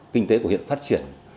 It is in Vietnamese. kinh tế của huyện phát triển